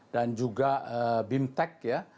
dan juga bimtek ya